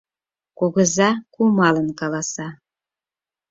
Кугыза кумалын каласа: